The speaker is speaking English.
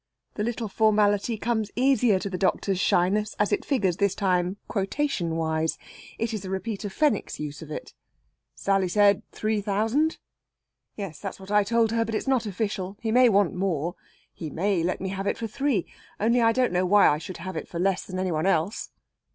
The little formality comes easier to the doctor's shyness as it figures, this time, quotation wise. It is a repeat of Fenwick's use of it. "Sally said three thousand." "Yes, that's what I told her. But it's not official. He may want more. He may let me have it for three. Only I don't know why I should have it for less than any one else."